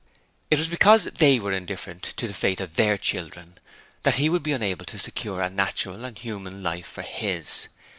It was because they were indifferent to the fate of THEIR children that he would be unable to secure a natural and human life for HIS.